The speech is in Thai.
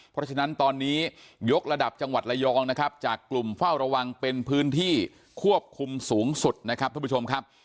เพราะฉะนั้นตอนนี้ยกระดับจังหวัดระยองนะครับจากกลุ่มเฝ้าระวังเป็นพื้นที่ควบคุมสูงสุดนะครับท่านผู้ชมครับ